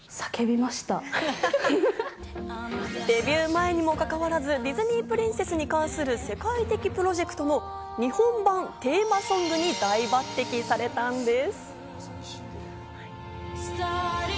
デビュー前にもかかわらず、ディズニープリンセスに関する、世界的プロジェクトの日本版テーマソングに大抜てきされたんです。